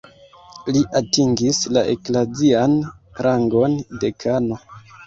Li atingis la eklazian rangon dekano.